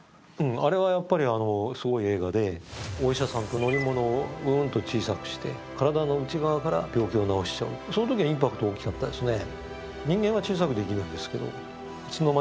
お医者さんと乗り物をうんと小さくして体の内側から病気を治しちゃうそのときはインパクト大きかったですね。